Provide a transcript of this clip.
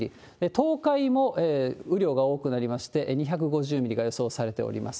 東海も雨量が多くなりまして、２５０ミリが予想されております。